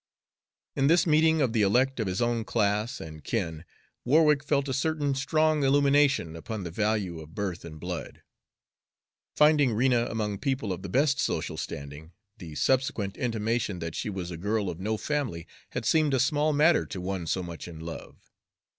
In this meeting of the elect of his own class and kin Warwick felt a certain strong illumination upon the value of birth and blood. Finding Rena among people of the best social standing, the subsequent intimation that she was a girl of no family had seemed a small matter to one so much in love.